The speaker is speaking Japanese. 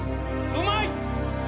うまい！